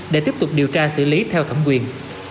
để tiếp tục điều tra xử lý theo thẩm quyền